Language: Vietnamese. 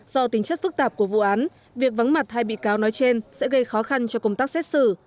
do tính chất phức tạp của vụ án việc vắng mặt hai bị cáo nói trên sẽ gây khó khăn cho công tác xét xử